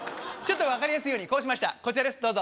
ちょっと分かりやすいようにこうしましたこちらです